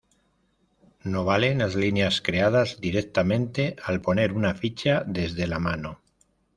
No valen las líneas creadas directamente al poner una ficha desde la mano.